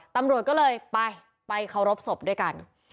ตำรวจก็เลยไปไปเคารพศพด้วยกัน